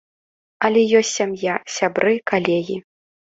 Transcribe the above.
Але ёсць сям'я, сябры, калегі.